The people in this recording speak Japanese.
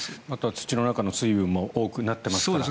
土の中の水分も多くなっていますから。